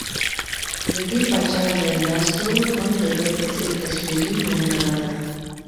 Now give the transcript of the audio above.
د دې پاچا ځایناستو هم د ده په څېر تصویري نومونه لرل